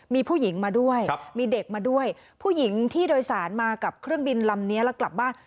มีผู้หญิงมาด้วยมีเด็กมาด้วยผู้หญิงที่โดยสารมากับเครื่องบินลำนี้แล้วกลับบ้าน